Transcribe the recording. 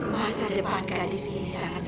hanya mencari salah